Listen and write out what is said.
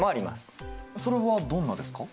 それはどんなですか？